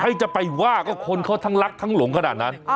ใครจะไปว่าก็คนเขาทั้งรักทั้งหลงขนาดนั้น